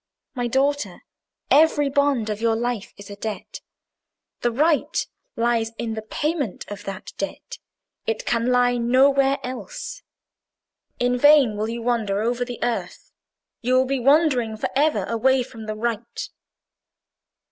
My daughter, every bond of your life is a debt: the right lies in the payment of that debt; it can lie nowhere else. In vain will you wander over the earth; you will be wandering for ever away from the right."